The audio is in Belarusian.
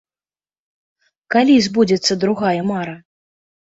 Калі збудзецца другая мара?